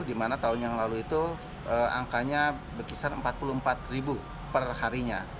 di mana tahun yang lalu itu angkanya berkisar empat puluh empat ribu perharinya